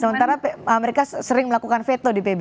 sementara mereka sering melakukan veto di pbb